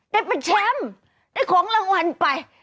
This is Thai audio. ได้เป็นแชมป์ได้ของรางวัลไป